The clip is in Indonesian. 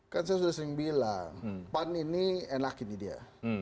kan saya sudah sering bilang pan ini enak ini dia